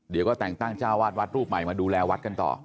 เดี๋ยวก็แต่งตั้งจ้าวาดวัดรูปใหม่มาดูแลวัดกันต่อ